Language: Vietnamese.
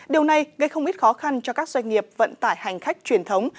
điều này gây không ít khó khăn cho các doanh nghiệp vận tải hành khách truyền thống